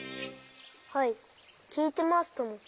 はいきいてますとも。